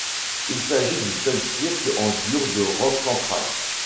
Il s'agit du seul cirque en dur d'Europe centrale.